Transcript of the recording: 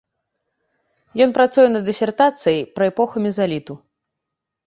Ён працуе над дысертацыяй пра эпоху мезаліту.